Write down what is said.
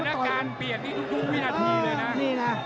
ศาลาการเปียกทุกวินาทีเลยนะ